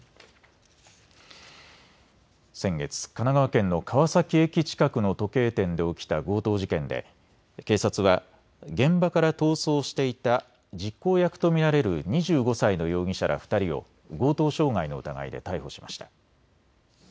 先月、神奈川県の川崎駅近くの時計店で起きた強盗事件で警察は現場から逃走していた実行役と見られる２５歳の容疑者ら２人を強盗傷害の疑いで逮捕しました。